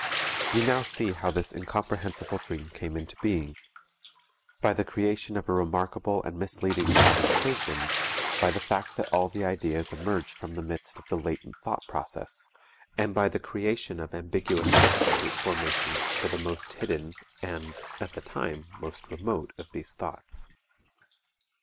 You now see how this incomprehensible dream came into being, by the creation of a remarkable and misleading condensation, by the fact that all the ideas emerge from the midst of the latent thought process, and by the creation of ambiguous substitute formations for the most hidden and, at the time, most remote of these thoughts.